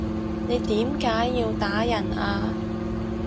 你點解要打人啊？